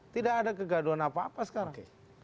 tidak ada kegaduhan apa apa sekarang